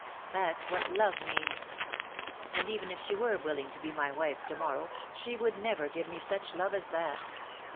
That^s what love means. And, even if she were willing to be my wife to morrow, she would never give me such love as that.